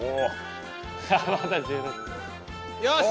よし！